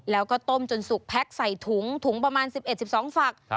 แล้วก็ต้มจนสุกแพ็คใส่ถุงถุงประมาณ๑๑๑๒ฝัก